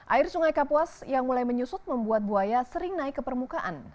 air sungai kapuas yang mulai menyusut membuat buaya sering naik ke permukaan